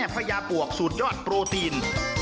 พญาปวกสุดยอดโปรตีน